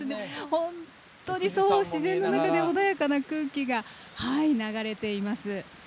本当に自然の中で穏やかな空気が流れています。